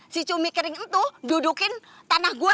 si cumi kering itu dudukin tanah gua